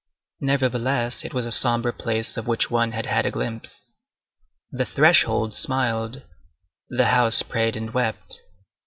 Nevertheless, it was a sombre place of which one had had a glimpse. The threshold smiled; the house prayed and wept.